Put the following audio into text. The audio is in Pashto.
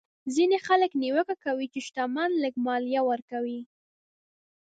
ځینې خلک نیوکه کوي چې شتمن لږه مالیه ورکوي.